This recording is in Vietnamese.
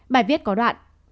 bài viết có đoạn